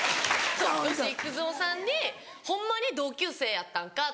そう吉幾三さんにホンマに同級生やったんかとか。